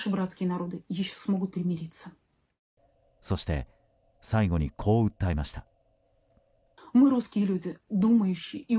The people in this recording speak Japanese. そして最後にこう訴えました。